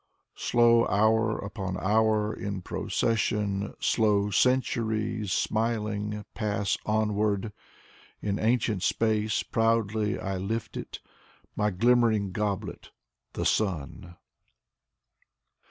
Slow hour upon hour in procession, Slow centuries, smiling, pass onward. In ancient space proudly I lift it. My glimmering goblet: the Sun.